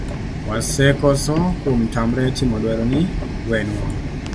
wasekoso kuom tamre timo dwaroni, wenwa.